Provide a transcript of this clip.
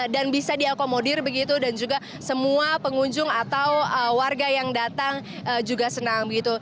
dan bisa diakomodir begitu dan juga semua pengunjung atau warga yang datang juga senang begitu